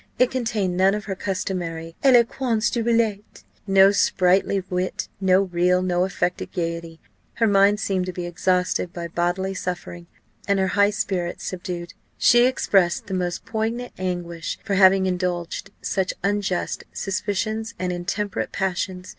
It contained none of her customary 'éloquence du billet,' no sprightly wit, no real, no affected gaiety; her mind seemed to be exhausted by bodily suffering, and her high spirit subdued. She expressed the most poignant anguish for having indulged such unjust suspicions and intemperate passions.